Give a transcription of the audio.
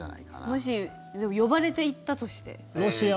もし呼ばれて行ったとして。